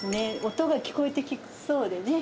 音が聞こえてきそうでね。